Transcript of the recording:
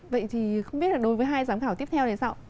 vậy thì không biết là đối với hai giám khảo tiếp theo này sao